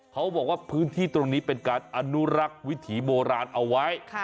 เขาบอกว่าพื้นที่ตรงนี้เป็นการอนุรักษ์วิถีโบราณเอาไว้